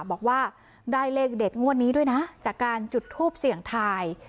บอกว่าได้เลขเด็ดงวดนี้ด้วยนะจากการจุดทูปเสี่ยงทาย